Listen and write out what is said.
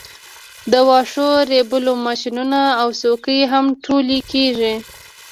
د واښو ریبلو ماشینونه او څوکۍ هم ټولې کیږي